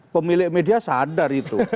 pemilik media sadar itu